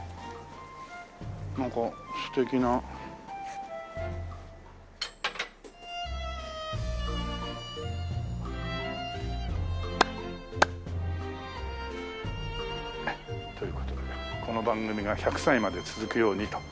なんか素敵な。という事でねこの番組が１００歳まで続くようにと。